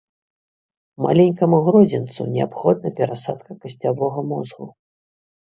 Маленькаму гродзенцу неабходна перасадка касцявога мозгу.